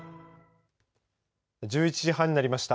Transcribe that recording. １１時半になりました。